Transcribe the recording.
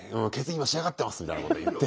今仕上がってますみたいなこと言って。